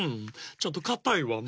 ちょっとかたいわね。